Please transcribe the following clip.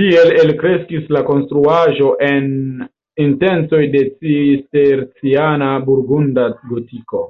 Tiel elkreskis la konstruaĵo en intencoj de cisterciana-burgunda gotiko.